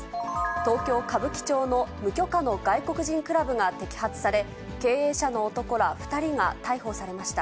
東京・歌舞伎町の無許可の外国人クラブが摘発され、経営者の男ら２人が逮捕されました。